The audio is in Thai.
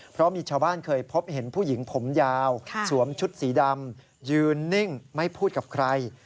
เพราะมีชาวบ้านเคยพบเห็นผู้หญิงผมยาวสวมชุดสีดำยืนนิ่งไม่พูดกับใคร